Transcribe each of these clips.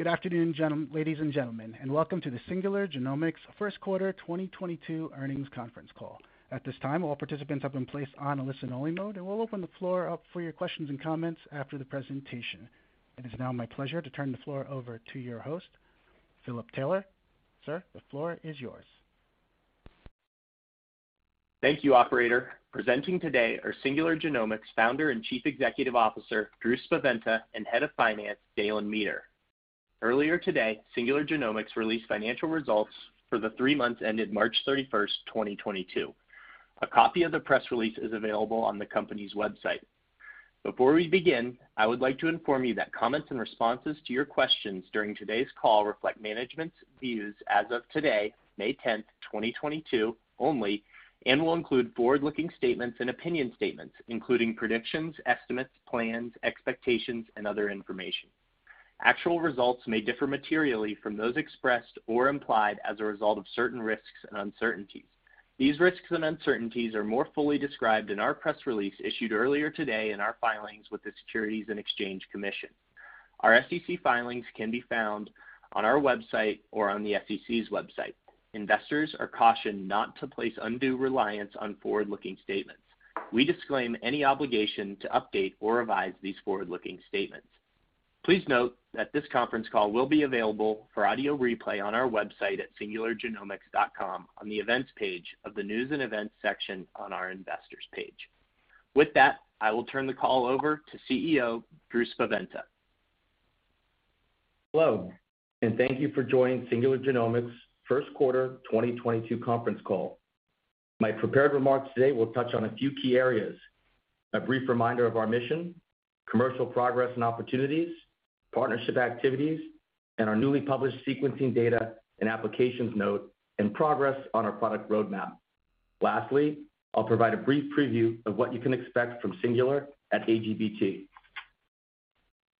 Good afternoon, ladies and gentlemen, and welcome to the Singular Genomics First Quarter 2022 Earnings Conference Call. At this time, all participants have been placed on a listen only mode, and we'll open the floor up for your questions and comments after the presentation. It is now my pleasure to turn the floor over to your host, Philip Taylor. Sir, the floor is yours. Thank you, operator. Presenting today are Singular Genomics Founder and Chief Executive Officer, Drew Spaventa, and Head of Finance, Dalen Meeter. Earlier today, Singular Genomics released financial results for the three months ended March 31, 2022. A copy of the press release is available on the company's website. Before we begin, I would like to inform you that comments and responses to your questions during today's call reflect management's views as of today, May 10, 2022 only, and will include forward-looking statements and opinion statements, including predictions, estimates, plans, expectations, and other information. Actual results may differ materially from those expressed or implied as a result of certain risks and uncertainties. These risks and uncertainties are more fully described in our press release issued earlier today in our filings with the Securities and Exchange Commission. Our SEC filings can be found on our website or on the SEC's website. Investors are cautioned not to place undue reliance on forward-looking statements. We disclaim any obligation to update or revise these forward-looking statements. Please note that this conference call will be available for audio replay on our website at singulargenomics.com on the Events page of the News and Events section on our Investors page. With that, I will turn the call over to CEO, Drew Spaventa. Hello, and thank you for joining Singular Genomics First Quarter 2022 conference call. My prepared remarks today will touch on a few key areas, a brief reminder of our mission, commercial progress and opportunities, partnership activities, and our newly published sequencing data and applications note, and progress on our product roadmap. Lastly, I'll provide a brief preview of what you can expect from Singular at AGBT.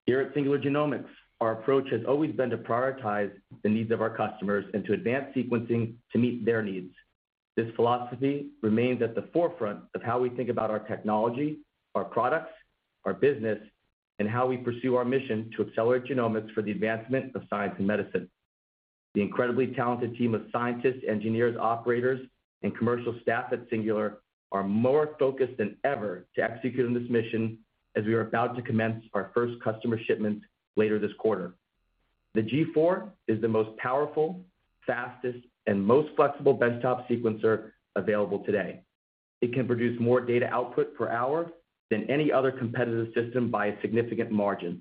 Here at Singular Genomics, our approach has always been to prioritize the needs of our customers and to advance sequencing to meet their needs. This philosophy remains at the forefront of how we think about our technology, our products, our business, and how we pursue our mission to accelerate genomics for the advancement of science and medicine. The incredibly talented team of scientists, engineers, operators, and commercial staff at Singular are more focused than ever to execute on this mission as we are about to commence our first customer shipment later this quarter. The G4 is the most powerful, fastest, and most flexible benchtop sequencer available today. It can produce more data output per hour than any other competitive system by a significant margin.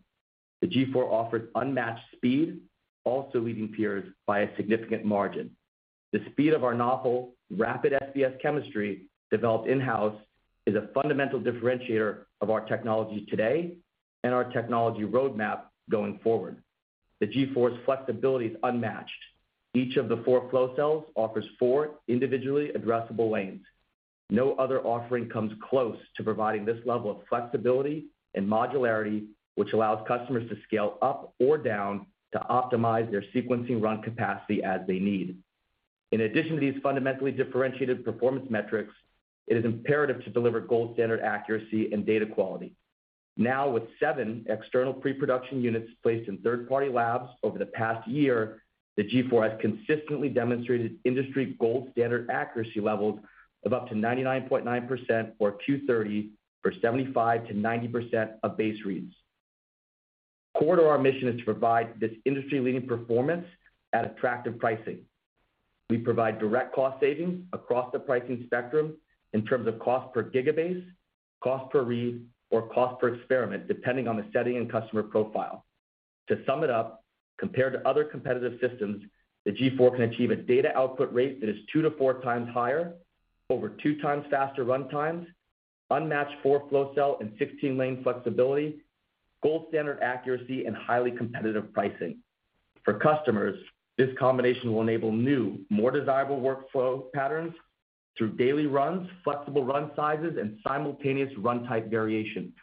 The G4 offers unmatched speed, also leading peers by a significant margin. The speed of our novel, rapid SBS chemistry, developed in-house, is a fundamental differentiator of our technology today and our technology roadmap going forward. The G4's flexibility is unmatched. Each of the four flow cells offers four individually addressable lanes. No other offering comes close to providing this level of flexibility and modularity, which allows customers to scale up or down to optimize their sequencing run capacity as they need. In addition to these fundamentally differentiated performance metrics, it is imperative to deliver gold standard accuracy and data quality. Now, with 7 external pre-production units placed in third party labs over the past year, the G4 has consistently demonstrated industry gold standard accuracy levels of up to 99.9 or Q30 for 75%-90% of base reads. Core to our mission is to provide this industry-leading performance at attractive pricing. We provide direct cost savings across the pricing spectrum in terms of cost per gigabase, cost per read, or cost per experiment, depending on the setting and customer profile. To sum it up, compared to other competitive systems, the G4 can achieve a data output rate that is 2-4 times higher, over two times faster run times, unmatched four flow cell and 16 lane flexibility, gold standard accuracy, and highly competitive pricing. For customers, this combination will enable new, more desirable workflow patterns through daily runs, flexible run sizes, and simultaneous run type variation.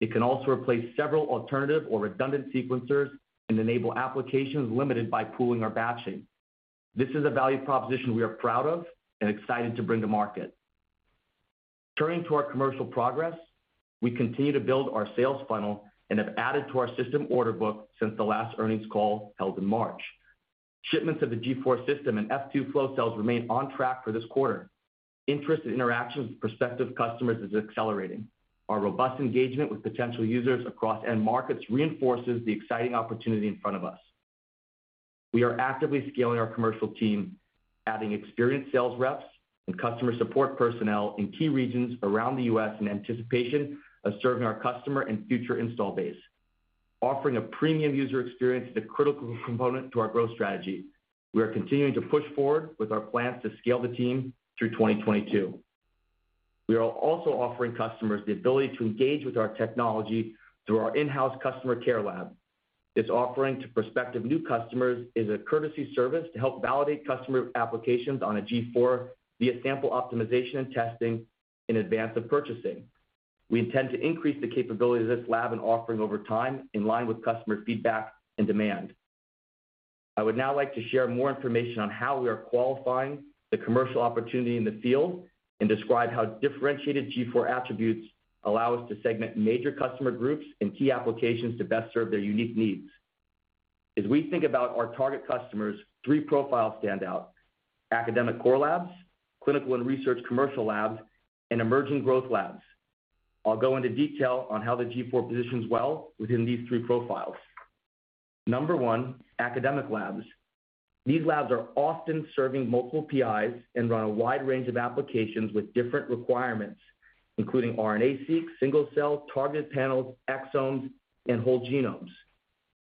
It can also replace several alternative or redundant sequencers and enable applications limited by pooling or batching. This is a value proposition we are proud of and excited to bring to market. Turning to our commercial progress, we continue to build our sales funnel and have added to our system order book since the last earnings call held in March. Shipments of the G4 system and F2 flow cells remain on track for this quarter. Interest and interactions with prospective customers is accelerating. Our robust engagement with potential users across end markets reinforces the exciting opportunity in front of us. We are actively scaling our commercial team, adding experienced sales reps and customer support personnel in key regions around the U.S. in anticipation of serving our customer and future installed base. Offering a premium user experience is a critical component to our growth strategy. We are continuing to push forward with our plans to scale the team through 2022. We are also offering customers the ability to engage with our technology through our in-house customer care lab. This offering to prospective new customers is a courtesy service to help validate customer applications on a G4 via sample optimization and testing in advance of purchasing. We intend to increase the capability of this lab and offering over time in line with customer feedback and demand. I would now like to share more information on how we are qualifying the commercial opportunity in the field and describe how differentiated G4 attributes allow us to segment major customer groups and key applications to best serve their unique needs. As we think about our target customers, three profiles stand out: academic core labs, clinical and research commercial labs, and emerging growth labs. I'll go into detail on how the G4 positions well within these three profiles. Number one, academic labs. These labs are often serving multiple PIs and run a wide range of applications with different requirements, including RNA seq, single cell, targeted panels, exomes, and whole genomes.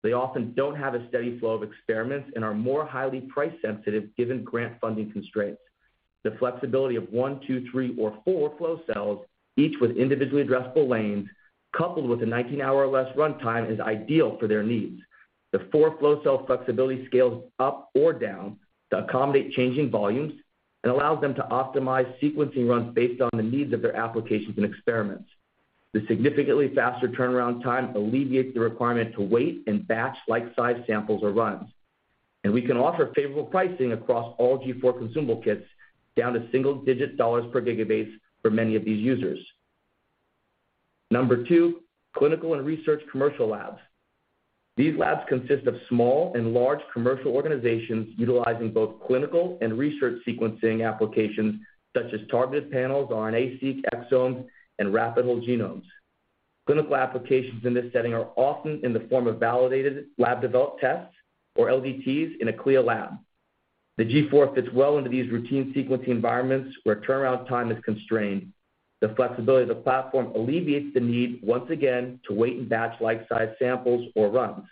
They often don't have a steady flow of experiments and are more highly price sensitive given grant funding constraints. The flexibility of 1, 2, 3, or 4 flow cells, each with individually addressable lanes, coupled with a 19-hour or less runtime, is ideal for their needs. The four flow cell flexibility scales up or down to accommodate changing volumes and allows them to optimize sequencing runs based on the needs of their applications and experiments. The significantly faster turnaround time alleviates the requirement to wait and batch like-size samples or runs. We can offer favorable pricing across all G4 consumable kits down to single-digit dollars per gigabase for many of these users. Number 2, clinical and research commercial labs. These labs consist of small and large commercial organizations utilizing both clinical and research sequencing applications such as targeted panels, RNA seq, exomes, and rapid whole genomes. Clinical applications in this setting are often in the form of validated lab-developed tests, or LDTs in a CLIA lab. The G4 fits well into these routine sequencing environments where turnaround time is constrained. The flexibility of the platform alleviates the need, once again, to wait and batch like-size samples or runs.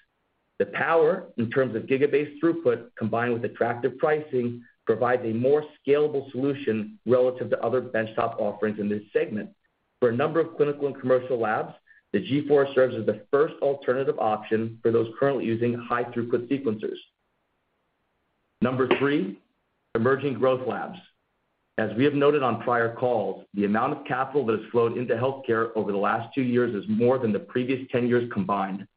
The power in terms of gigabase throughput, combined with attractive pricing, provides a more scalable solution relative to other benchtop offerings in this segment. For a number of clinical and commercial labs, the G4 serves as the first alternative option for those currently using high throughput sequencers. Number 3, emerging growth labs. As we have noted on prior calls, the amount of capital that has flowed into healthcare over the last two years is more than the previous 10 years combined.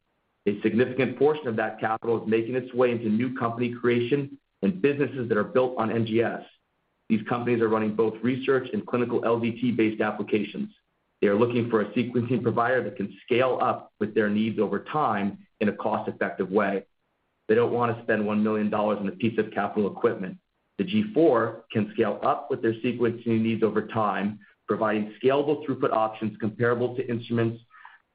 A significant portion of that capital is making its way into new company creation and businesses that are built on NGS. These companies are running both research and clinical LDT-based applications. They are looking for a sequencing provider that can scale up with their needs over time in a cost-effective way. They don't want to spend $1 million on a piece of capital equipment. The G4 can scale up with their sequencing needs over time, providing scalable throughput options comparable to instruments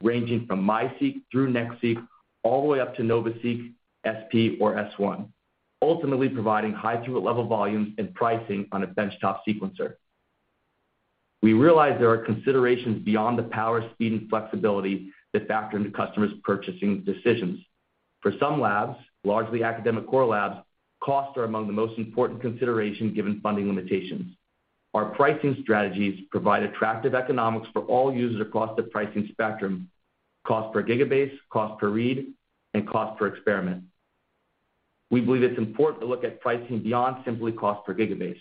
ranging from MiSeq through NextSeq, all the way up to NovaSeq SP or S1. Ultimately providing high throughput level volumes and pricing on a benchtop sequencer. We realize there are considerations beyond the power, speed, and flexibility that factor into customers' purchasing decisions. For some labs, largely academic core labs, costs are among the most important consideration given funding limitations. Our pricing strategies provide attractive economics for all users across the pricing spectrum, cost per gigabase, cost per read, and cost per experiment. We believe it's important to look at pricing beyond simply cost per gigabase.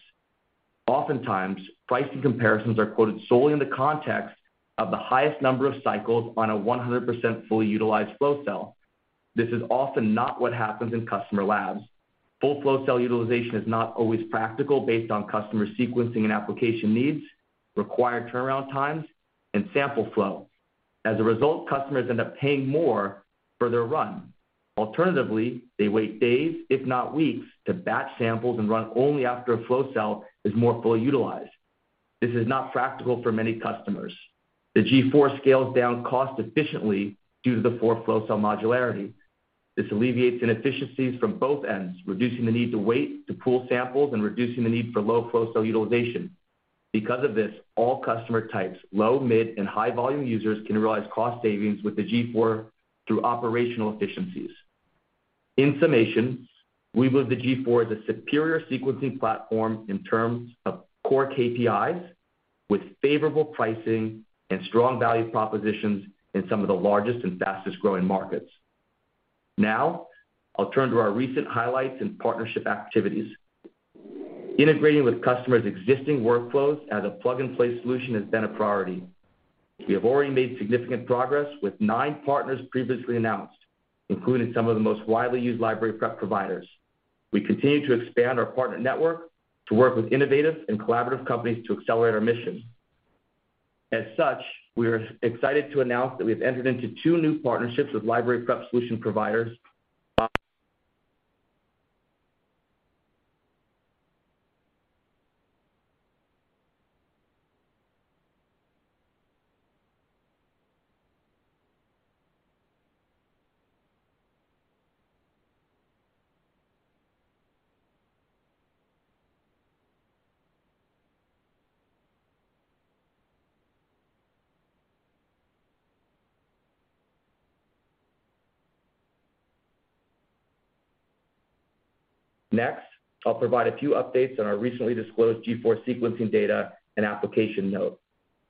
Oftentimes, pricing comparisons are quoted solely in the context of the highest number of cycles on a 100% fully utilized flow cell. This is often not what happens in customer labs. Full flow cell utilization is not always practical based on customer sequencing and application needs, required turnaround times, and sample flow. As a result, customers end up paying more for their run. Alternatively, they wait days, if not weeks, to batch samples and run only after a flow cell is more fully utilized. This is not practical for many customers. The G4 scales down cost efficiently due to the 4 flow cell modularity. This alleviates inefficiencies from both ends, reducing the need to wait to pool samples and reducing the need for low flow cell utilization. Because of this, all customer types, low, mid, and high volume users can realize cost savings with the G4 through operational efficiencies. In summation, we believe the G4 is a superior sequencing platform in terms of core KPIs with favorable pricing and strong value propositions in some of the largest and fastest-growing markets. Now, I'll turn to our recent highlights and partnership activities. Integrating with customers' existing workflows as a plug-and-play solution has been a priority. We have already made significant progress with nine partners previously announced, including some of the most widely used library prep providers. We continue to expand our partner network to work with innovative and collaborative companies to accelerate our mission. As such, we are excited to announce that we have entered into two new partnerships with library prep solution providers. Next, I'll provide a few updates on our recently disclosed G4 sequencing data and application note.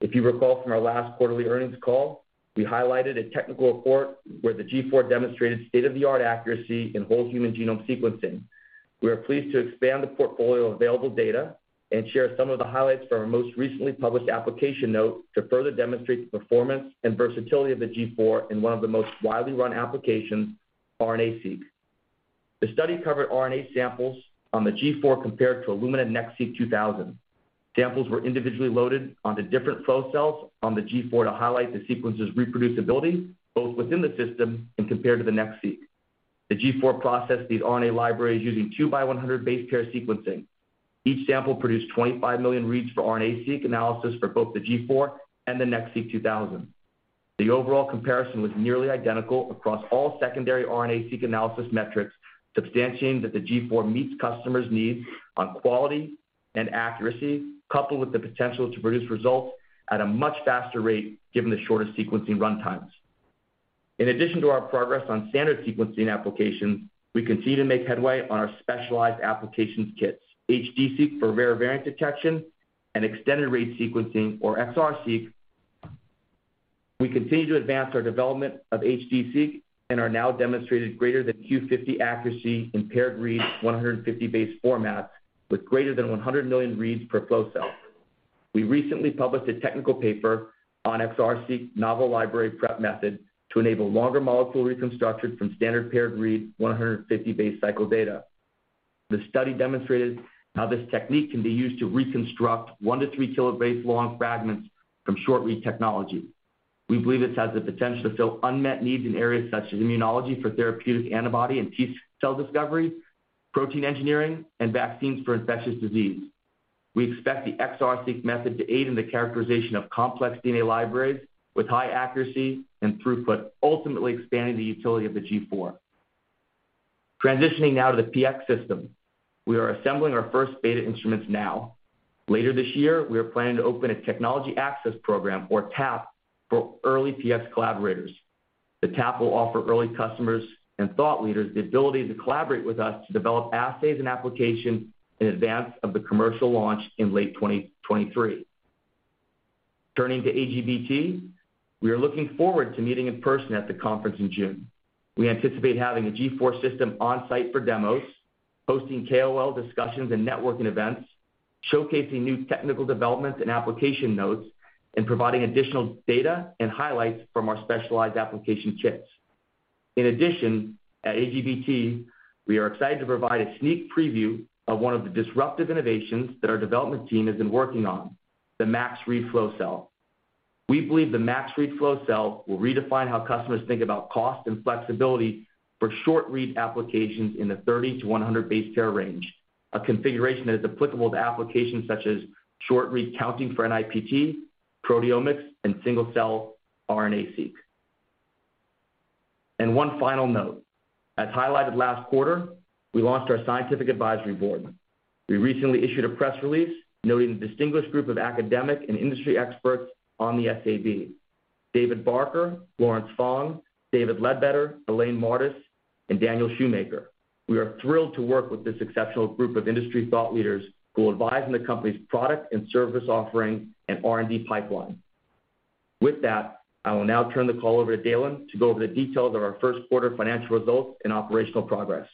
If you recall from our last quarterly earnings call, we highlighted a technical report where the G4 demonstrated state-of-the-art accuracy in whole human genome sequencing. We are pleased to expand the portfolio of available data and share some of the highlights from our most recently published application note to further demonstrate the performance and versatility of the G4 in one of the most widely run applications, RNA seq. The study covered RNA samples on the G4 compared to Illumina NextSeq 2000. Samples were individually loaded onto different flow cells on the G4 to highlight the sequence's reproducibility, both within the system and compared to the NextSeq. The G4 processed these RNA libraries using two by 100 base pair sequencing. Each sample produced 25 million reads for RNA seq analysis for both the G4 and the NextSeq 2000. The overall comparison was nearly identical across all secondary RNA seq analysis metrics, substantiating that the G4 meets customers' needs on quality and accuracy, coupled with the potential to produce results at a much faster rate given the shorter sequencing run times. In addition to our progress on standard sequencing applications, we continue to make headway on our specialized applications kits, HD-Seq for rare variant detection and Extended-Range Sequencing or XR-seq. We continue to advance our development of HD-Seq and are now demonstrated greater than Q50 accuracy in paired read 150 base formats with greater than 100 million reads per flow cell. We recently published a technical paper on XR-seq novel library prep method to enable longer molecule reconstruction from standard paired read 150 base cycle data. The study demonstrated how this technique can be used to reconstruct 1-3 kilobase long fragments from short read technology. We believe this has the potential to fill unmet needs in areas such as immunology for therapeutic antibody and T cell discovery, protein engineering, and vaccines for infectious disease. We expect the XR-seq method to aid in the characterization of complex DNA libraries with high accuracy and throughput, ultimately expanding the utility of the G4. Transitioning now to the PX system. We are assembling our first beta instruments now. Later this year, we are planning to open a technology access program or TAP for early PX collaborators. The TAP will offer early customers and thought leaders the ability to collaborate with us to develop assays and applications in advance of the commercial launch in late 2023. Turning to AGBT, we are looking forward to meeting in person at the conference in June. We anticipate having a G4 system on-site for demos, hosting KOL discussions and networking events, showcasing new technical developments and application notes, and providing additional data and highlights from our specialized application kits. In addition, at AGBT, we are excited to provide a sneak preview of one of the disruptive innovations that our development team has been working on, the Max Read flow cell. We believe the Max Read flow cell will redefine how customers think about cost and flexibility for short read applications in the 30-100 base pair range, a configuration that is applicable to applications such as short read counting for NIPT, proteomics, and single cell RNA seq. One final note, as highlighted last quarter, we launched our scientific advisory board. We recently issued a press release noting the distinguished group of academic and industry experts on the SAB, David Barker, Lawrence Fong, David Ledbetter, Elaine Mardis, and Daniel Shoemaker. We are thrilled to work with this exceptional group of industry thought leaders who will advise on the company's product and service offering and R&D pipeline. With that, I will now turn the call over to Dalen to go over the details of our first quarter financial results and operational progress.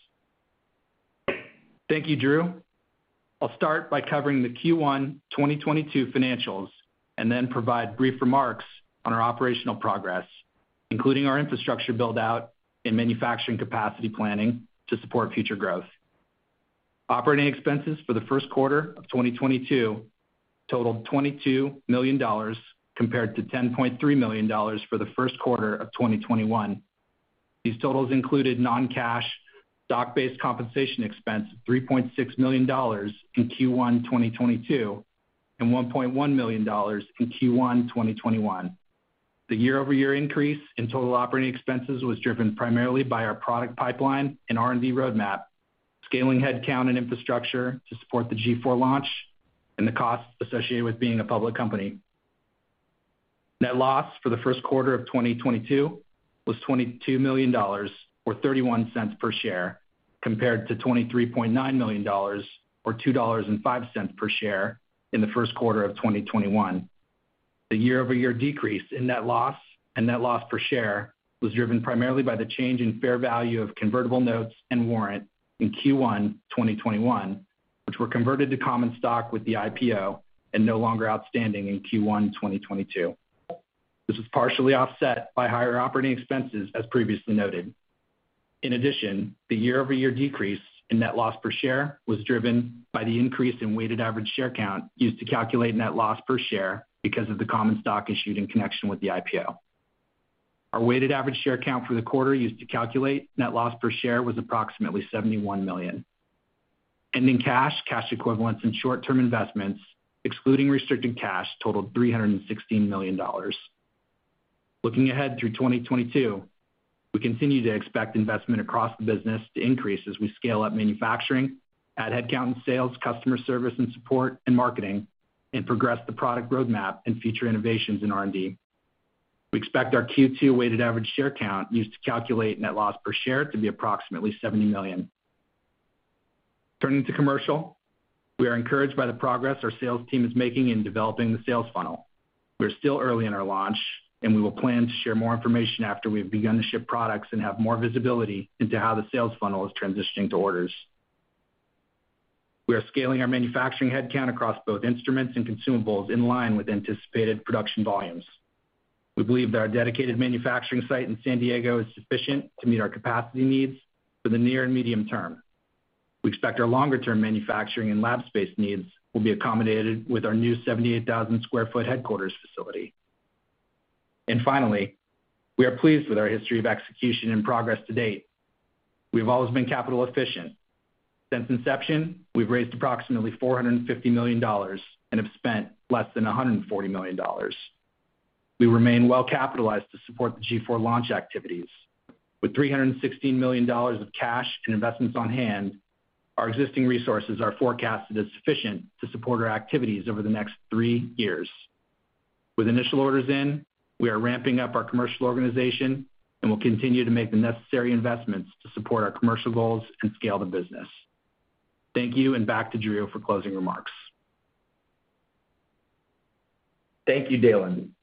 Thank you, Drew. I'll start by covering the Q1 2022 financials and then provide brief remarks on our operational progress, including our infrastructure build-out and manufacturing capacity planning to support future growth. Operating expenses for the first quarter of 2022 totaled $22 million compared to $10.3 million for the first quarter of 2021. These totals included non-cash stock-based compensation expense of $3.6 million in Q1 2022 and $1.1 million in Q1 2021. The year-over-year increase in total operating expenses was driven primarily by our product pipeline and R&D roadmap, scaling headcount and infrastructure to support the G4 launch, and the costs associated with being a public company. Net loss for the first quarter of 2022 was $22 million or $0.31 per share, compared to $23.9 million or $2.05 per share in the first quarter of 2021. The year-over-year decrease in net loss and net loss per share was driven primarily by the change in fair value of convertible notes and warrant in Q1 2021, which were converted to common stock with the IPO and no longer outstanding in Q1 2022. This was partially offset by higher operating expenses, as previously noted. In addition, the year-over-year decrease in net loss per share was driven by the increase in weighted average share count used to calculate net loss per share because of the common stock issued in connection with the IPO. Our weighted average share count for the quarter used to calculate net loss per share was approximately 71 million. Ending cash equivalents, and short-term investments, excluding restricted cash, totaled $316 million. Looking ahead through 2022, we continue to expect investment across the business to increase as we scale up manufacturing, add headcount in sales, customer service, and support and marketing, and progress the product roadmap and future innovations in R&D. We expect our Q2 weighted average share count used to calculate net loss per share to be approximately 70 million. Turning to commercial. We are encouraged by the progress our sales team is making in developing the sales funnel. We're still early in our launch, and we will plan to share more information after we've begun to ship products and have more visibility into how the sales funnel is transitioning to orders. We are scaling our manufacturing headcount across both instruments and consumables in line with anticipated production volumes. We believe that our dedicated manufacturing site in San Diego is sufficient to meet our capacity needs for the near and medium term. We expect our longer-term manufacturing and lab space needs will be accommodated with our new 78,000 sq ft headquarters facility. Finally, we are pleased with our history of execution and progress to date. We've always been capital efficient. Since inception, we've raised approximately $450 million and have spent less than $140 million. We remain well-capitalized to support the G4 launch activities. With $316 million of cash and investments on hand, our existing resources are forecasted as sufficient to support our activities over the next three years. With initial orders in, we are ramping up our commercial organization and will continue to make the necessary investments to support our commercial goals and scale the business. Thank you, and back to Drew for closing remarks. Thank you, Dalen.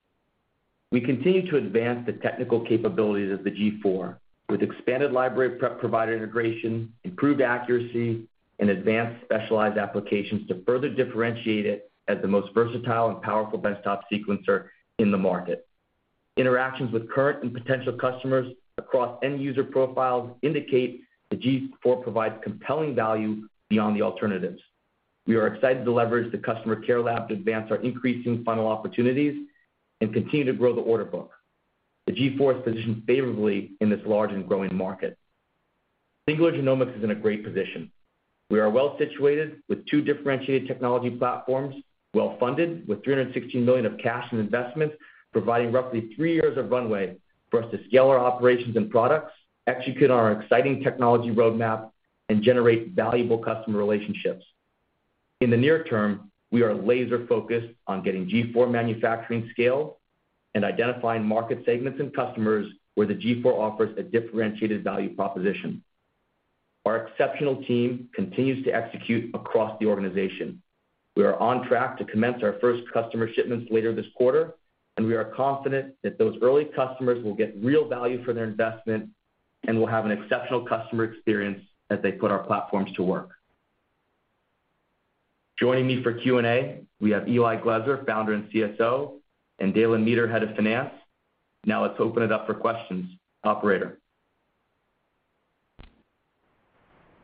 We continue to advance the technical capabilities of the G4 with expanded library prep provider integration, improved accuracy, and advanced specialized applications to further differentiate it as the most versatile and powerful benchtop sequencer in the market. Interactions with current and potential customers across end user profiles indicate the G4 provides compelling value beyond the alternatives. We are excited to leverage the customer care lab to advance our increasing funnel opportunities and continue to grow the order book. The G4 is positioned favorably in this large and growing market. Singular Genomics is in a great position. We are well situated with two differentiated technology platforms, well-funded with $316 million of cash and investments, providing roughly three years of runway for us to scale our operations and products, execute on our exciting technology roadmap, and generate valuable customer relationships. In the near term, we are laser focused on getting G4 manufacturing scale and identifying market segments and customers where the G4 offers a differentiated value proposition. Our exceptional team continues to execute across the organization. We are on track to commence our first customer shipments later this quarter, and we are confident that those early customers will get real value for their investment and will have an exceptional customer experience as they put our platforms to work. Joining me for Q&A, we have Eli Glezer, Founder and CSO, and Dalen Meeter, Head of Finance. Now let's open it up for questions. Operator?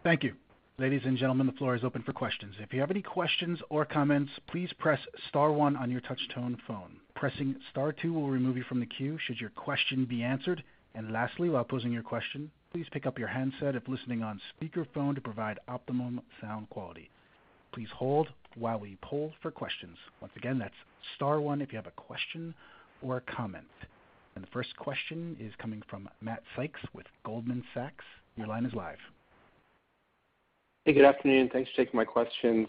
Thank you. Ladies and gentlemen, the floor is open for questions. If you have any questions or comments, please press star one on your touch-tone phone. Pressing star two will remove you from the queue should your question be answered. Lastly, while posing your question, please pick up your handset if listening on speakerphone to provide optimum sound quality. Please hold while we poll for questions. Once again, that's star one if you have a question or a comment. The first question is coming from Matt Sykes with Goldman Sachs. Your line is live. Hey, good afternoon, and thanks for taking my questions.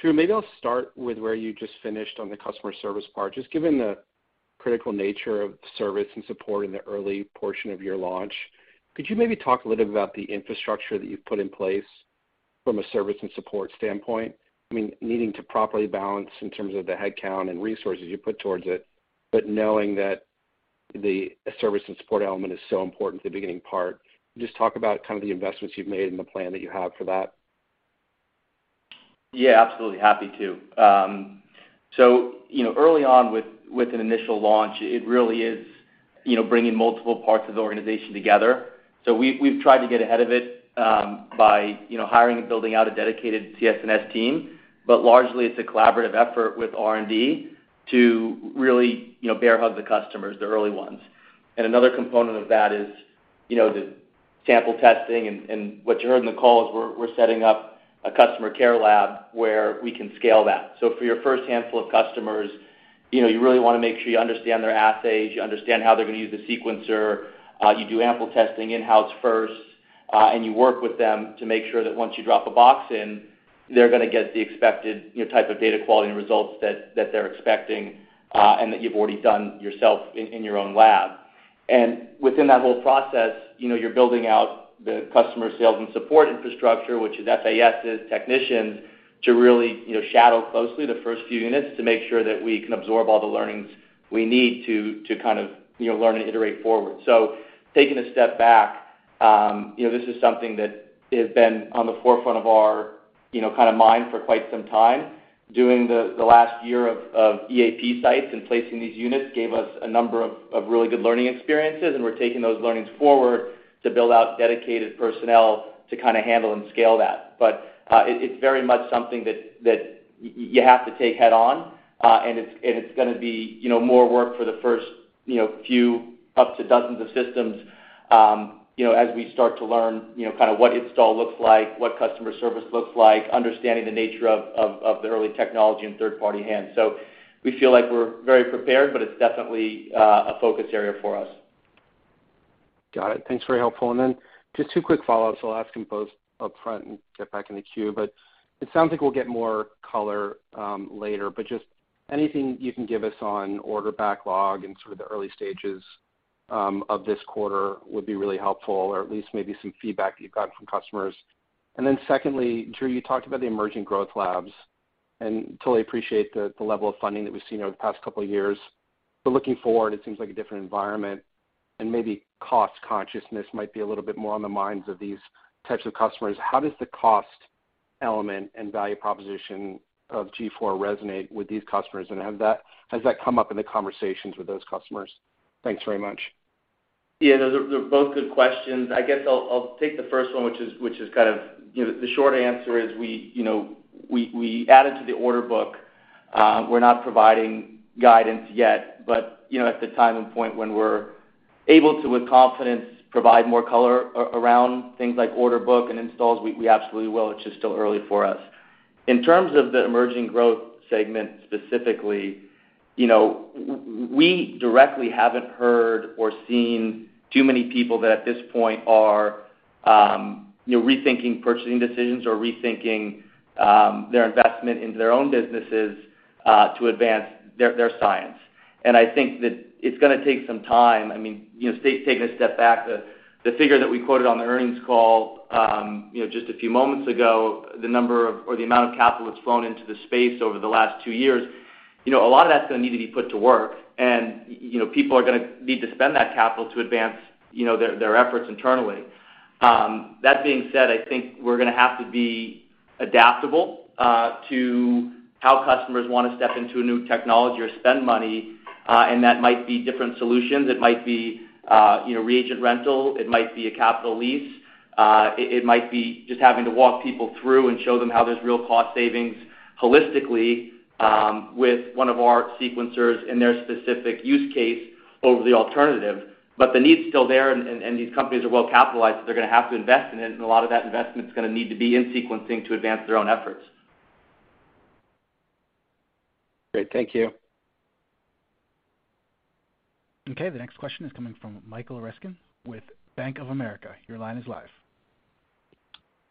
Drew, maybe I'll start with where you just finished on the customer service part. Just given the critical nature of service and support in the early portion of your launch, could you maybe talk a little bit about the infrastructure that you've put in place from a service and support standpoint? I mean, needing to properly balance in terms of the headcount and resources you put towards it, but knowing that the service and support element is so important to the beginning part. Can you just talk about kind of the investments you've made and the plan that you have for that? Yeah, absolutely. Happy to. You know, early on with an initial launch, it really is, you know, bringing multiple parts of the organization together. We've tried to get ahead of it, by, you know, hiring and building out a dedicated CS&S team. Largely, it's a collaborative effort with R&D to really, you know, bear hug the customers, the early ones. Another component of that is, you know, the sample testing and what you heard in the call is we're setting up a customer care lab where we can scale that. For your first handful of customers, you know, you really want to make sure you understand their assays, you understand how they're going to use the sequencer, you do ample testing in-house first, and you work with them to make sure that once you drop a box in, they're gonna get the expected, you know, type of data quality and results that they're expecting, and that you've already done yourself in your own lab. Within that whole process, you know, you're building out the customer sales and support infrastructure, which is FASs, technicians, to really, you know, shadow closely the first few units to make sure that we can absorb all the learnings we need to kind of, you know, learn and iterate forward. Taking a step back, you know, this is something that has been on the forefront of our, you know, kind of mind for quite some time. Doing the last year of EAP sites and placing these units gave us a number of really good learning experiences, and we're taking those learnings forward to build out dedicated personnel to kind of handle and scale that. It's very much something that you have to take head on, and it's gonna be, you know, more work for the first, you know, few up to dozens of systems, you know, as we start to learn, you know, kind of what install looks like, what customer service looks like, understanding the nature of the early technology in third-party hands. We feel like we're very prepared, but it's definitely a focus area for us. Got it. Thanks, very helpful. Then just two quick follow-ups. I'll ask them both upfront and get back in the queue. It sounds like we'll get more color later, but just anything you can give us on order backlog and sort of the early stages of this quarter would be really helpful, or at least maybe some feedback that you've got from customers. Secondly, Drew, you talked about the emerging growth labs, and totally appreciate the level of funding that we've seen over the past couple of years. Looking forward, it seems like a different environment, and maybe cost consciousness might be a little bit more on the minds of these types of customers. How does the cost element and value proposition of G4 resonate with these customers, and has that come up in the conversations with those customers? Thanks very much. Yeah, those are both good questions. I guess I'll take the first one, which is kind of. The short answer is we added to the order book. We're not providing guidance yet. But at the time and point when we're able to, with confidence, provide more color around things like order book and installs, we absolutely will. It's just still early for us. In terms of the emerging growth segment, specifically, we directly haven't heard or seen too many people that at this point are rethinking purchasing decisions or rethinking their investment into their own businesses to advance their science. I think that it's gonna take some time. I mean, you know, taking a step back, the figure that we quoted on the earnings call, you know, just a few moments ago, or the amount of capital that's flown into the space over the last two years, you know, a lot of that's gonna need to be put to work. You know, people are gonna need to spend that capital to advance, you know, their efforts internally. That being said, I think we're gonna have to be adaptable to how customers wanna step into a new technology or spend money, and that might be different solutions. It might be, you know, reagent rental, it might be a capital lease. It might be just having to walk people through and show them how there's real cost savings holistically with one of our sequencers in their specific use case over the alternative. The need is still there and these companies are well capitalized, so they're gonna have to invest in it, and a lot of that investment is gonna need to be in sequencing to advance their own efforts. Great. Thank you. Okay. The next question is coming from Michael Ryskin with Bank of America. Your line is live.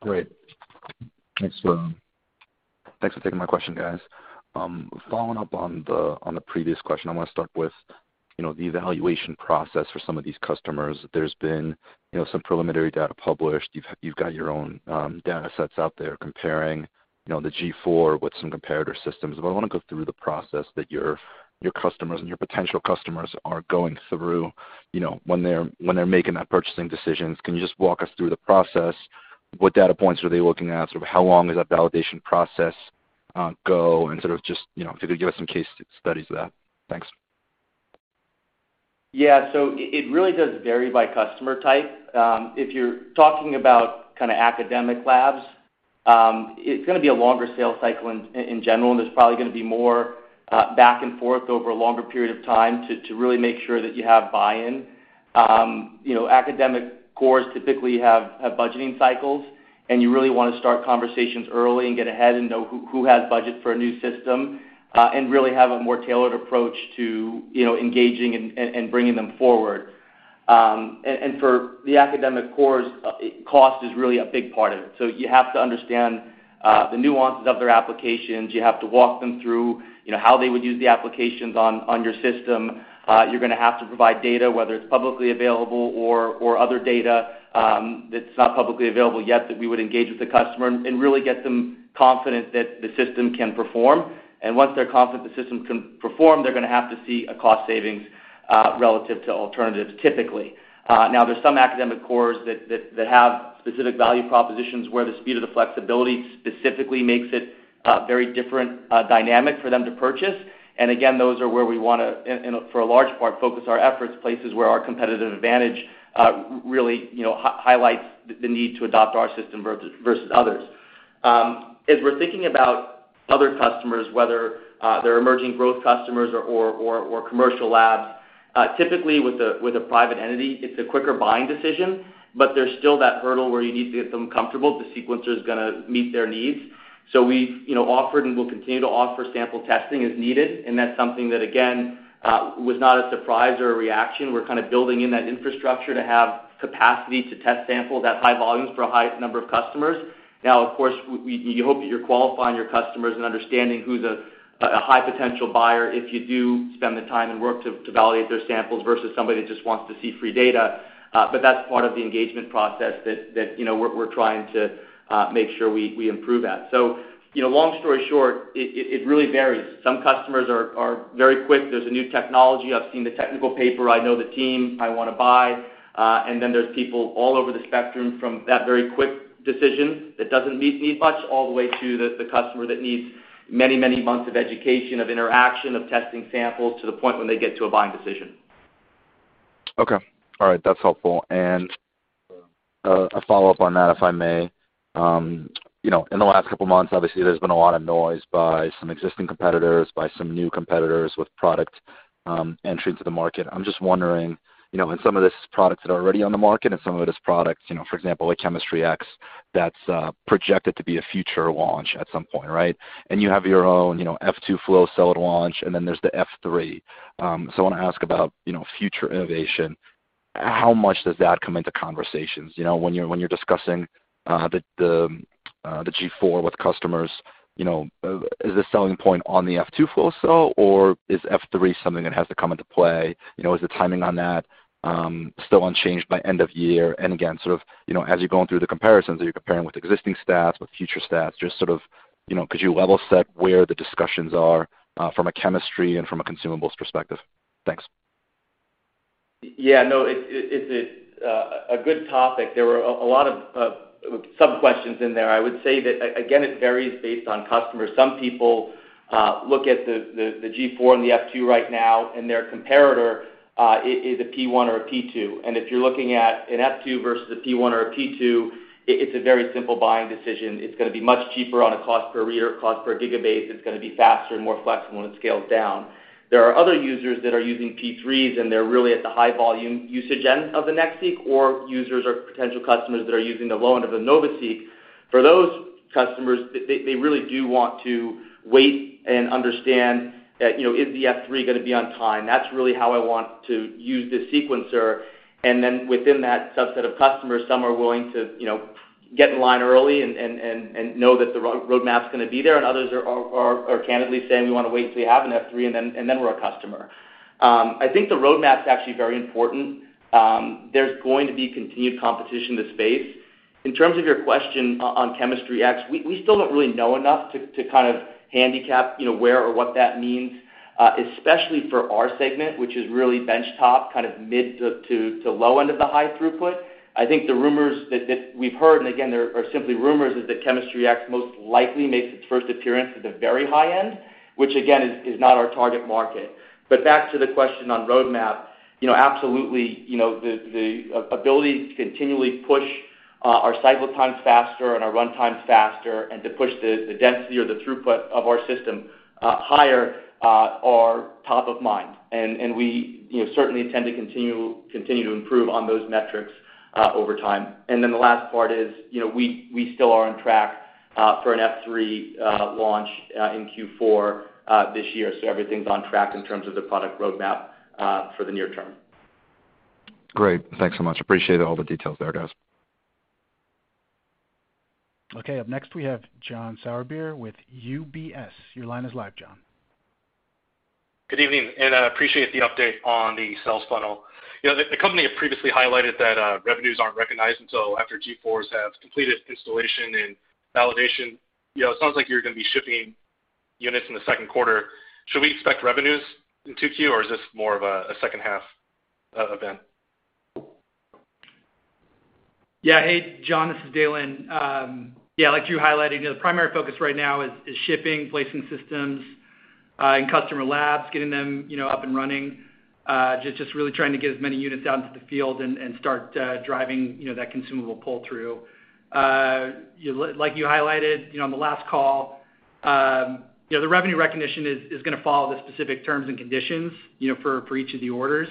Great. Thanks for taking my question, guys. Following up on the previous question, I wanna start with, you know, the evaluation process for some of these customers. There's been, you know, some preliminary data published. You've got your own data sets out there comparing, you know, the G4 with some comparator systems. But I wanna go through the process that your customers and your potential customers are going through, you know, when they're making that purchasing decisions. Can you just walk us through the process? What data points are they looking at? Sort of how long does that validation process go, and sort of just, you know, if you could give us some case studies of that. Thanks. Yeah. It really does vary by customer type. If you're talking about kind of academic labs, it's gonna be a longer sales cycle in general, and there's probably gonna be more back and forth over a longer period of time to really make sure that you have buy-in. You know, academic cores typically have budgeting cycles, and you really wanna start conversations early and get ahead and know who has budget for a new system, and really have a more tailored approach to you know engaging and bringing them forward. For the academic cores, cost is really a big part of it. You have to understand the nuances of their applications. You have to walk them through you know how they would use the applications on your system. You're gonna have to provide data, whether it's publicly available or other data that's not publicly available yet, that we would engage with the customer and really get them confident that the system can perform. Once they're confident the system can perform, they're gonna have to see a cost savings relative to alternatives, typically. Now there's some academic cores that have specific value propositions where the speed of the flexibility specifically makes it a very different dynamic for them to purchase. Again, those are where we wanna for a large part focus our efforts, places where our competitive advantage really highlights the need to adopt our system versus others. As we're thinking about other customers, whether they're emerging growth customers or commercial labs, typically with a private entity, it's a quicker buying decision, but there's still that hurdle where you need to get them comfortable the sequencer's gonna meet their needs. We've, you know, offered and will continue to offer sample testing as needed, and that's something that, again, was not a surprise or a reaction. We're kind of building in that infrastructure to have capacity to test samples at high volumes for a high number of customers. Now, of course, you hope that you're qualifying your customers and understanding who's a high potential buyer if you do spend the time and work to validate their samples versus somebody that just wants to see free data. That's part of the engagement process that, you know, we're trying to make sure we improve at. You know, long story short, it really varies. Some customers are very quick. There's a new technology. I've seen the technical paper. I know the team. I wanna buy. There's people all over the spectrum from that very quick decision that doesn't need much all the way to the customer that needs many months of education, of interaction, of testing samples to the point when they get to a buying decision. Okay. All right. That's helpful. A follow-up on that, if I may. You know, in the last couple of months, obviously, there's been a lot of noise by some existing competitors, by some new competitors with product entry into the market. I'm just wondering, you know, and some of these products that are already on the market and some of these products, you know, for example, like Chemistry X, that's projected to be a future launch at some point, right? You have your own, you know, F2 flow cell at launch, and then there's the F3. I wanna ask about, you know, future innovation. How much does that come into conversations, you know, when you're discussing the G4 with customers, you know, is the selling point on the F2 flow cell or is F3 something that has to come into play? You know, is the timing on that still unchanged by end of year? And again, sort of, you know, as you're going through the comparisons, are you comparing with existing stats, with future stats, just sort of, you know, could you level set where the discussions are from a chemistry and from a consumables perspective? Thanks. Yeah, no, it's a good topic. There were a lot of sub-questions in there. I would say that again, it varies based on customers. Some people look at the G4 and the F2 right now, and their comparator is a P1 or a P2. If you're looking at an F2 versus a P1 or a P2, it's a very simple buying decision. It's gonna be much cheaper on a cost per read, cost per gigabase. It's gonna be faster and more flexible, and it scales down. There are other users that are using P3s, and they're really at the high volume usage end of the NextSeq, or users or potential customers that are using the low end of the NovaSeq. For those customers, they really do want to wait and understand that, you know, is the F3 gonna be on time? That's really how I want to use this sequencer. Then within that subset of customers, some are willing to, you know, get in line early and know that the roadmap's gonna be there, and others are candidly saying, "We wanna wait till you have an F3 and then we're a customer." I think the roadmap's actually very important. There's going to be continued competition in this space. In terms of your question on chemistry X, we still don't really know enough to kind of handicap, you know, where or what that means, especially for our segment, which is really benchtop, kind of mid to low end of the high throughput. I think the rumors that we've heard, and again, they are simply rumors, is that Chemistry X most likely makes its first appearance at the very high end, which again, is not our target market. Back to the question on roadmap, you know, absolutely, you know, the ability to continually push our cycle times faster and our run times faster and to push the density or the throughput of our system higher are top of mind. We certainly intend to continue to improve on those metrics over time. Then the last part is, you know, we still are on track for an F3 launch in Q4 this year. Everything's on track in terms of the product roadmap for the near term. Great. Thanks so much. Appreciate all the details there, guys. Okay. Up next, we have Jonathan Sourbeer with UBS. Your line is live, John. Good evening, and I appreciate the update on the sales funnel. You know, the company had previously highlighted that revenues aren't recognized until after G4s have completed installation and validation. You know, it sounds like you're gonna be shipping units in the second quarter. Should we expect revenues in 2Q, or is this more of a second half event? Yeah. Hey, John, this is Dalen. Yeah, like you highlighted, the primary focus right now is shipping, placing systems in customer labs, getting them, you know, up and running, just really trying to get as many units out into the field and start driving, you know, that consumable pull-through. Like you highlighted, you know, on the last call, you know, the revenue recognition is gonna follow the specific terms and conditions, you know, for each of the orders.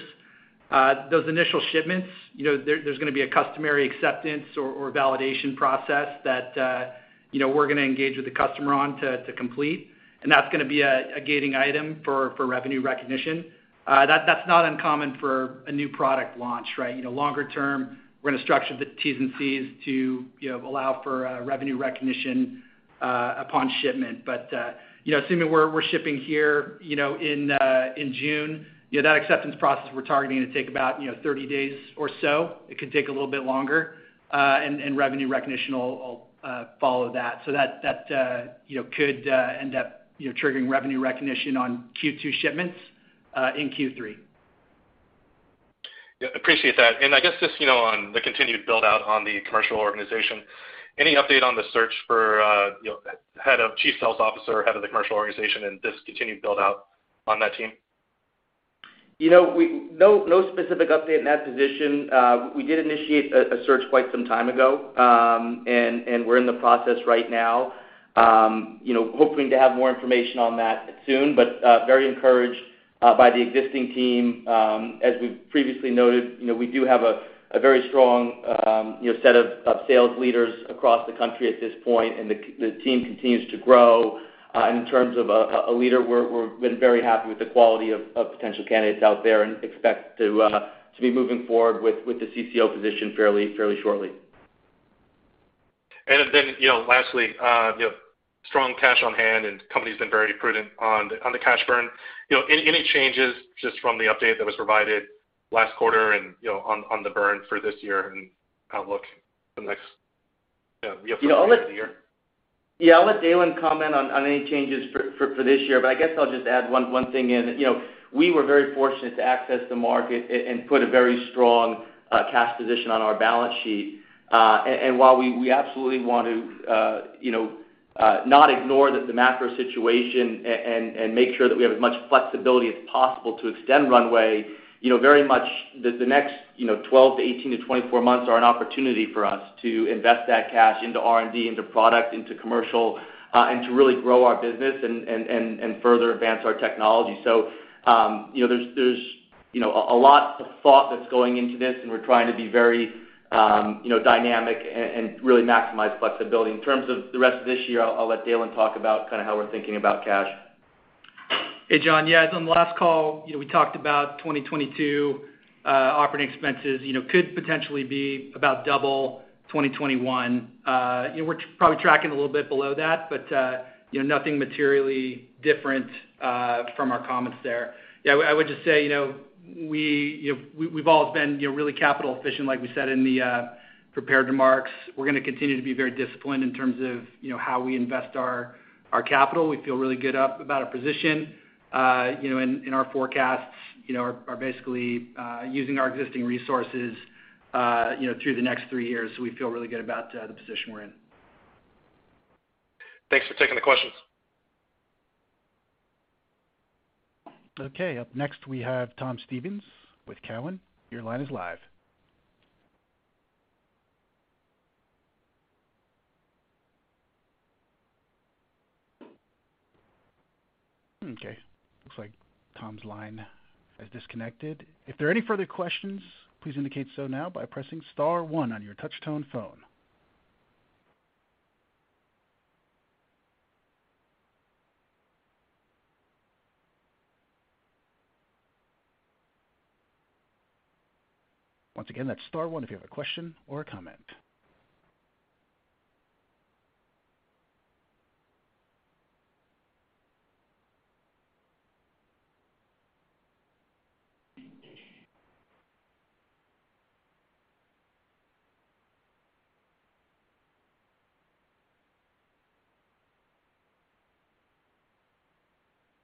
Those initial shipments, you know, there's gonna be a customary acceptance or validation process that, you know, we're gonna engage with the customer on to complete, and that's gonna be a gating item for revenue recognition. That's not uncommon for a new product launch, right? You know, longer term, we're gonna structure the Ts and Cs to, you know, allow for revenue recognition upon shipment. You know, assuming we're shipping here, you know, in June, you know, that acceptance process we're targeting to take about, you know, 30 days or so. It could take a little bit longer, and revenue recognition will follow that. That could end up triggering revenue recognition on Q2 shipments in Q3. Yeah, appreciate that. I guess just, you know, on the continued build-out on the commercial organization, any update on the search for, you know, chief sales officer, head of the commercial organization and this continued build-out on that team? You know, no specific update in that position. We did initiate a search quite some time ago, and we're in the process right now, you know, hoping to have more information on that soon, but very encouraged by the existing team. As we've previously noted, you know, we do have a very strong set of sales leaders across the country at this point, and the team continues to grow. In terms of a leader, we've been very happy with the quality of potential candidates out there and expect to be moving forward with the CCO position fairly shortly. You know, lastly, you know, strong cash on hand and company's been very prudent on the cash burn. You know, any changes just from the update that was provided last quarter and, you know, on the burn for this year and outlook for the next, you know, year for the rest of the year? You know, I'll let Dalen comment on any changes for this year, but I guess I'll just add one thing in. You know, we were very fortunate to access the market and put a very strong cash position on our balance sheet. And while we absolutely want to not ignore the macro situation and make sure that we have as much flexibility as possible to extend runway, you know, very much the next 12 to 18 to 24 months are an opportunity for us to invest that cash into R&D, into product, into commercial, and to really grow our business and further advance our technology. You know, there's a lot of thought that's going into this, and we're trying to be very, you know, dynamic and really maximize flexibility. In terms of the rest of this year, I'll let Dalen talk about kinda how we're thinking about cash. Hey, John. Yeah, on the last call, you know, we talked about 2022 operating expenses, you know, could potentially be about double 2021. We're probably tracking a little bit below that, but, you know, nothing materially different from our comments there. Yeah, I would just say, you know, we've all been, you know, really capital efficient like we said in the prepared remarks. We're gonna continue to be very disciplined in terms of, you know, how we invest our capital. We feel really good about our position, you know, and our forecasts, you know, are basically using our existing resources, you know, through the next three years. We feel really good about the position we're in. Thanks for taking the questions. Okay. Up next we have Tom Stevens with Cowen. Your line is live. Okay. Looks like Tom's line has disconnected. If there are any further questions, please indicate so now by pressing star one on your touchtone phone. Once again, that's star one if you have a question or a comment.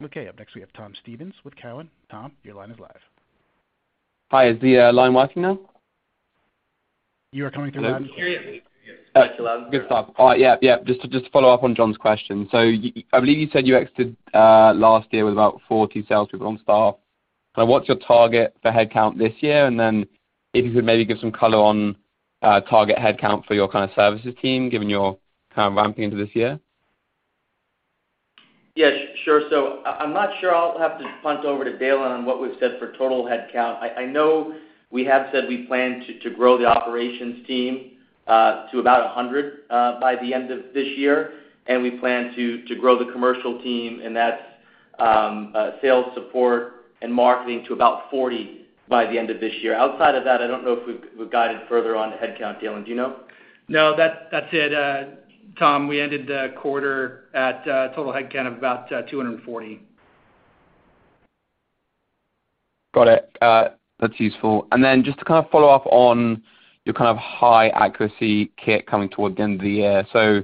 Okay. Up next, we have Tom Stevens with Cowen. Tom, your line is live. Hi, is the line working now? You are coming through loud and clear. Good stuff. Yeah. Just to follow up on John's question. I believe you said you exited last year with about 40 salespeople on staff. What's your target for headcount this year? If you could maybe give some color on target headcount for your kind of services team, given your kind of ramping into this year. Yeah, sure. I'm not sure. I'll have to punt over to Dalen on what we've said for total headcount. I know we have said we plan to grow the operations team to about 100 by the end of this year, and we plan to grow the commercial team, and that's sales support and marketing, to about 40 by the end of this year. Outside of that, I don't know if we've guided further on headcount. Dalen, do you know? No, that's it, Tom. We ended the quarter at a total headcount of about 240. Got it. That's useful. Just to kind of follow up on your kind of high accuracy kit coming towards the end of the year.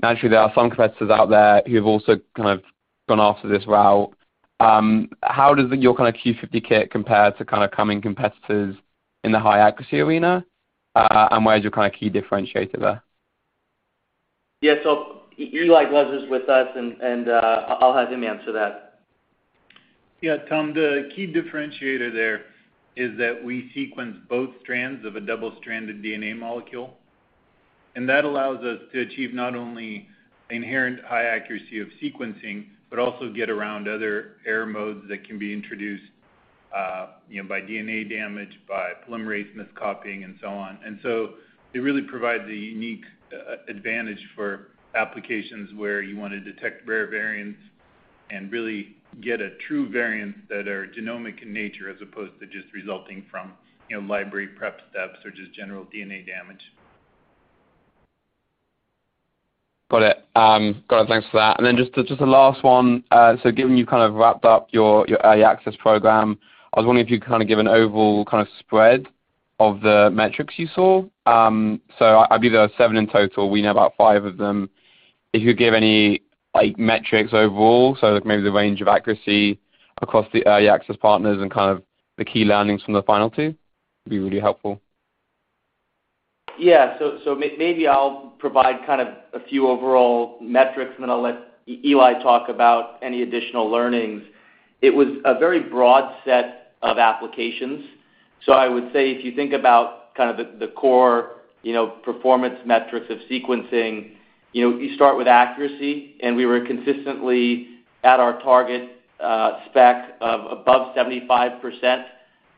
Naturally, there are some competitors out there who have also kind of gone after this route. How does your kind of Q50 kit compare to kind of competing competitors in the high accuracy arena, and where's your kind of key differentiator there? Yeah. Eli Glezer is with us and I'll have him answer that. Yeah, Tom. The key differentiator there is that we sequence both strands of a double-stranded DNA molecule, and that allows us to achieve not only inherent high accuracy of sequencing, but also get around other error modes that can be introduced, you know, by DNA damage, by polymerase miscopying and so on. It really provides a unique advantage for applications where you wanna detect rare variants and really get a true variant that are genomic in nature, as opposed to just resulting from, you know, library prep steps or just general DNA damage. Got it. Got it. Thanks for that. Just the last one. Given you kind of wrapped up your Early Access Program, I was wondering if you could kind of give an overall kind of spread of the metrics you saw. I believe there are 7 in total. We know about 5 of them. If you could give any, like, metrics overall, so like maybe the range of accuracy across the Early Access partners and kind of the key learnings from the final 2, it'd be really helpful. Yeah. Maybe I'll provide kind of a few overall metrics and then I'll let Eli talk about any additional learnings. It was a very broad set of applications. I would say if you think about kind of the core, you know, performance metrics of sequencing, you know, you start with accuracy, and we were consistently at our target spec of above 75%,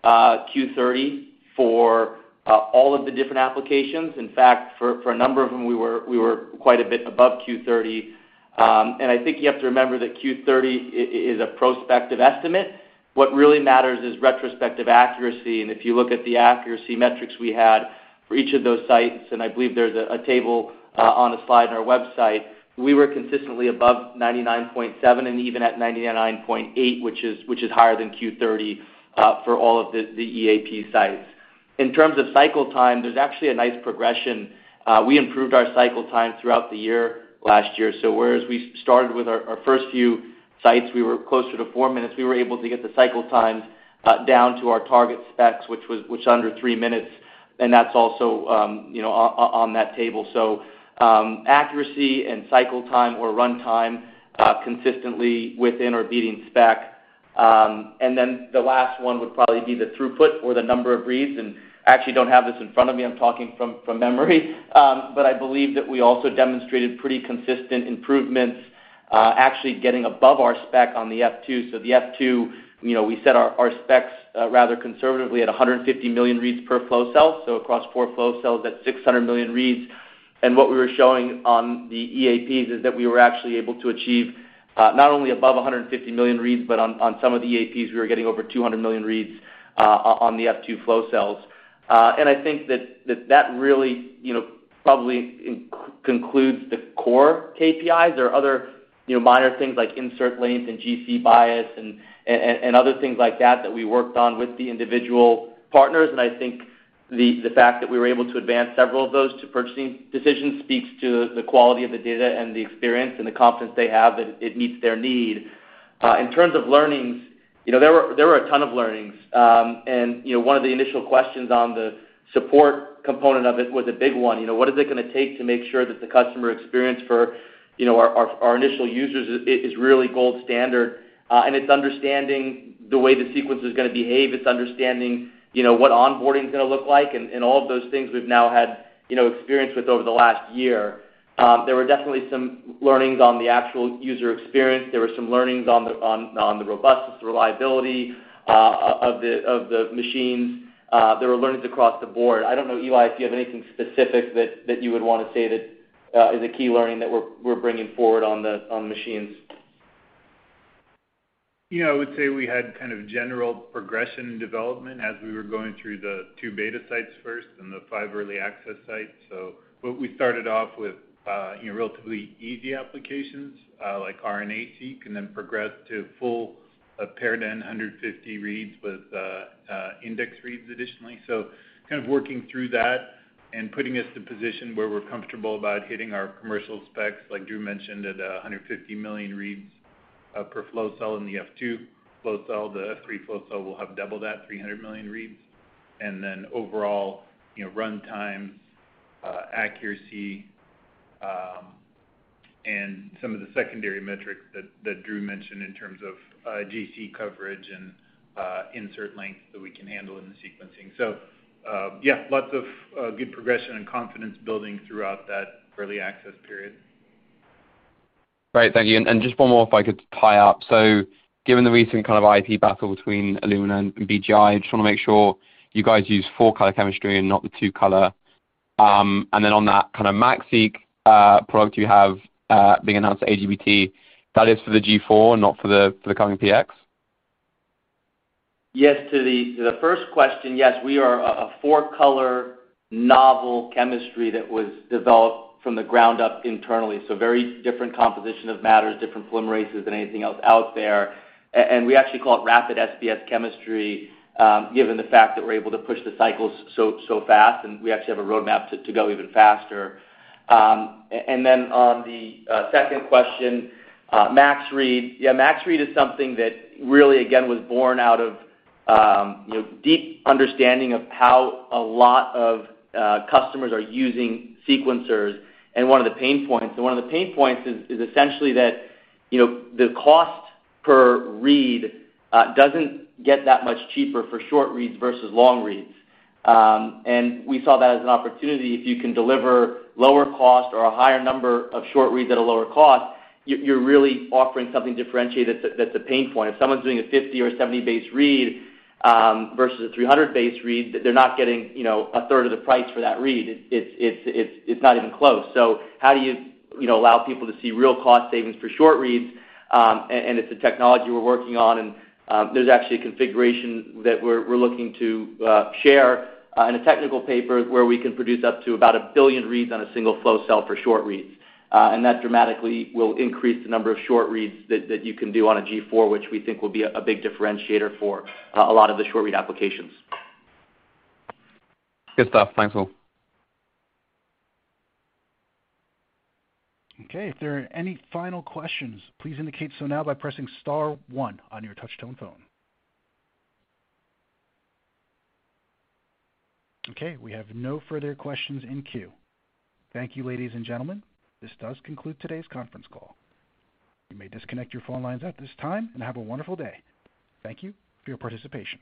Q30 for all of the different applications. In fact, for a number of them, we were quite a bit above Q30. I think you have to remember that Q30 is a prospective estimate. What really matters is retrospective accuracy, and if you look at the accuracy metrics we had for each of those sites, and I believe there's a table on a slide on our website, we were consistently above 99.7 and even at 99.8, which is higher than Q30 for all of the EAP sites. In terms of cycle time, there's actually a nice progression. We improved our cycle time throughout the year last year. Whereas we started with our first few sites, we were closer to 4 minutes, we were able to get the cycle times down to our target specs, which was under 3 minutes, and that's also, you know, on that table. Accuracy and cycle time or runtime consistently within or beating spec. The last one would probably be the throughput or the number of reads, and I actually don't have this in front of me. I'm talking from memory. I believe that we also demonstrated pretty consistent improvements, actually getting above our spec on the F2. The F2, you know, we set our specs rather conservatively at 150 million reads per flow cell, so across four flow cells, that's 600 million reads. What we were showing on the EAPs is that we were actually able to achieve not only above 150 million reads, but on some of the EAPs, we were getting over 200 million reads on the F2 flow cells. I think that really, you know, probably concludes the core KPIs. There are other, you know, minor things like insert length and GC bias and other things like that we worked on with the individual partners. I think the fact that we were able to advance several of those to purchasing decisions speaks to the quality of the data and the experience and the confidence they have that it meets their need. In terms of learnings, you know, there were a ton of learnings. You know, one of the initial questions on the support component of it was a big one. You know, what is it gonna take to make sure that the customer experience for, you know, our initial users is really gold standard? It's understanding the way the sequencer is gonna behave. It's understanding, you know, what onboarding is gonna look like and all of those things we've now had, you know, experience with over the last year. There were definitely some learnings on the actual user experience. There were some learnings on the robustness, reliability, of the machines. There were learnings across the board. I don't know, Eli, if you have anything specific that you would want to say that is a key learning that we're bringing forward on the machines. You know, I would say we had kind of general progression and development as we were going through the two beta sites first and the five early access sites. What we started off with, you know, relatively easy applications, like RNA-seq, and then progressed to full, paired-end 150 reads with index reads additionally. Kind of working through that and putting us in a position where we're comfortable about hitting our commercial specs, like Drew mentioned, at 150 million reads per flow cell in the F2 flow cell. The F3 flow cell will have double that, 300 million reads. Then overall, you know, run times, accuracy, and some of the secondary metrics that Drew mentioned in terms of GC coverage and insert length that we can handle in the sequencing. Yeah, lots of good progression and confidence building throughout that early access period. Great. Thank you. Just one more if I could tie up. Given the recent kind of IP battle between Illumina and BGI, I just wanna make sure you guys use four-color chemistry and not the two-color. On that kind of Max Read product you have being announced AGBT, that is for the G4, not for the coming PX? Yes to the first question. Yes, we are a four-color novel chemistry that was developed from the ground up internally, so very different composition of materials, different polymerases than anything else out there. And we actually call it Rapid SBS Chemistry, given the fact that we're able to push the cycles so fast, and we actually have a roadmap to go even faster. And then on the second question, Max Read. Yeah, Max Read is something that really, again, was born out of you know, deep understanding of how a lot of customers are using sequencers and one of the pain points. One of the pain points is essentially that, you know, the cost per read doesn't get that much cheaper for short reads versus long reads. And we saw that as an opportunity. If you can deliver lower cost or a higher number of short reads at a lower cost, you're really offering something differentiated that's a pain point. If someone's doing a 50 or 70 base read versus a 300 base read, they're not getting, you know, a third of the price for that read. It's not even close. How do you know, allow people to see real cost savings for short reads? It's a technology we're working on and there's actually a configuration that we're looking to share in a technical paper where we can produce up to about 1 billion reads on a single flow cell for short reads. That dramatically will increase the number of short reads that you can do on a G4, which we think will be a big differentiator for a lot of the short read applications. Good stuff. Thanks, all. Okay, if there are any final questions, please indicate so now by pressing star one on your touch-tone phone. Okay, we have no further questions in queue. Thank you, ladies and gentlemen. This does conclude today's conference call. You may disconnect your phone lines at this time and have a wonderful day. Thank you for your participation.